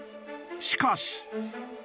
しかし。